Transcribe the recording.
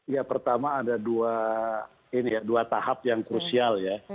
ya pertama ada dua tahap yang krusial ya